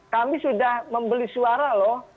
kami sudah membeli suara loh